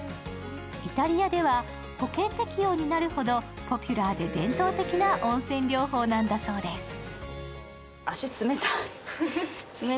イタリアでは保険適用になるほどポピュラーで伝統的な温泉療法なんだそうです。